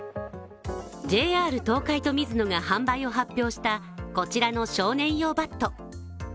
ＪＲ東海とミズノが販売を発表したこちらの少年用バット。